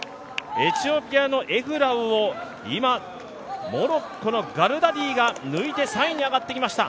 エチオピアのエフラウを今、モロッコのガルダディが抜いて、３位に上がってきました